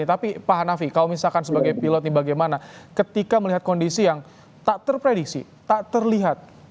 tapi pak hanafi kalau misalkan sebagai pilot ini bagaimana ketika melihat kondisi yang tak terprediksi tak terlihat